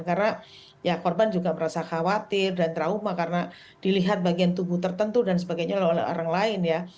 karena ya korban juga merasa khawatir dan trauma karena dilihat bagian tubuh tertentu dan sebagainya oleh orang lain ya